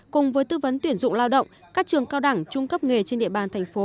cùng với tư vấn tuyển dụng lao động các trường cao đẳng trung cấp nghề trên địa bàn thành phố